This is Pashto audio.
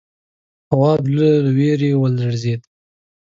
تواب زړه له وېرې ولړزېد.